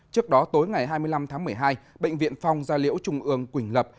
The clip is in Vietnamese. trước đó tối ngày hai mươi năm tháng một mươi hai bệnh viện phong gia liễu trung ương quỳnh lập